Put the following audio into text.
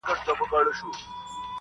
مړ مه سې، د بل ژوند د باب وخت ته.